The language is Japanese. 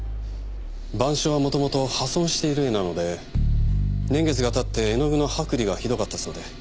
『晩鐘』はもともと破損している絵なので年月が経って絵の具の剥離がひどかったそうで。